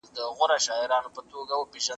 پر خاوند باندي د ميرمني لور ولي حرامه ده؟